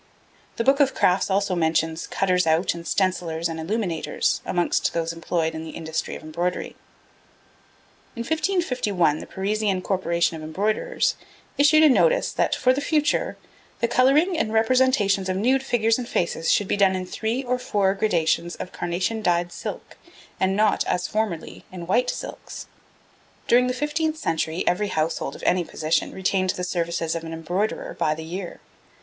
The book of crafts also mentions 'cutters out and stencillers and illuminators' amongst those employed in the industry of embroidery. In 1551 the Parisian Corporation of Embroiderers issued a notice that 'for the future, the colouring in representations of nude figures and faces should be done in three or four gradations of carnation dyed silk, and not, as formerly, in white silks.' During the fifteenth century every household of any position retained the services of an embroiderer by the year.